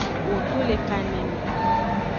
Ho to le kaneme.